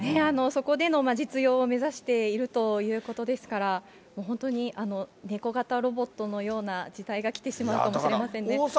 そこでの実用を目指しているということですから、本当に猫型ロボットのような時代が来てしまうかもしれませんね。